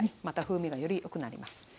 また風味がよりよくなります。